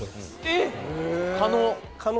えっ！可能？